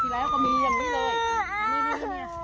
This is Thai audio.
มันเจ็บนะลูก